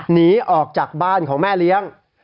หนีออกจากบ้านของแม่เลี้ยง